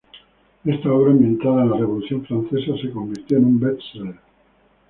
Esta obra, ambientada en la Revolución Francesa, se convirtió en best-seller.